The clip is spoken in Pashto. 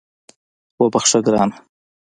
وبخښه ګرانه